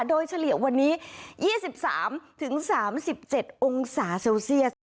โดยเฉลี่ยวันนี้๒๓๓๗องศาเซลเซียส